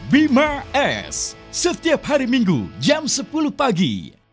bima s setiap hari minggu jam sepuluh pagi